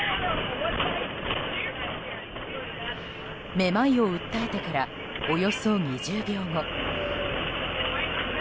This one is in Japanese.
めまいを訴えてからおよそ２０秒後。